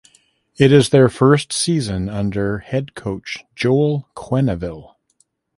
It is their first season under head coach Joel Quenneville.